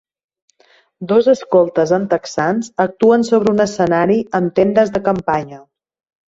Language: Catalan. Dos escoltes en texans actuen sobre un escenari amb tendes de campanya.